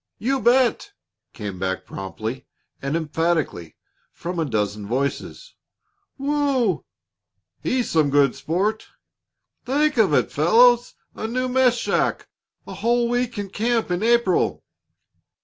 "You bet!" came back promptly and emphatically from a dozen voices. "Wough! He's some good sport!" "Think of it, fellows! A new mess shack! A whole week in camp in April!"